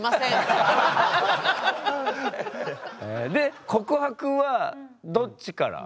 で告白はどっちから？